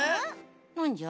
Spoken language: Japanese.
なんじゃ？